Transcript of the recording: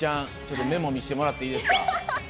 見してもらっていいですか？